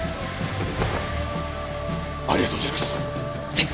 ありがとうございます！